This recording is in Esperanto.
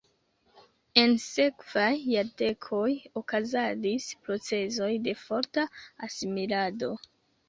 En sekvaj jardekoj okazadis procezoj de forta asimilado.